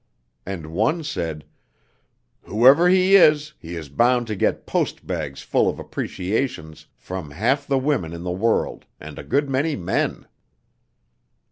And one said, "Whoever he is, he is bound to get post bags full of 'appreciations' from half the women in the world, and a good many men."